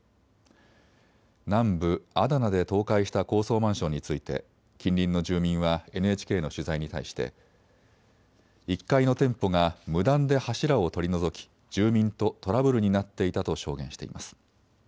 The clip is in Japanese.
南部アダナで倒壊した高層マンションについて近隣の住民はＮＨＫの取材に対して１階の店舗が無断で柱を取り除き住民とトラブルになっていたと証言しています。